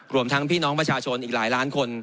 รวมทั้งพี่น้องประชาชนอีกหลายล้านคน